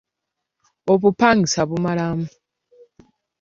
Obupangisa bumalamu.